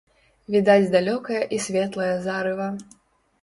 Відаць далёкае і светлае зарыва.